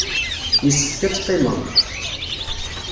Yessefk ad teqqimeḍ.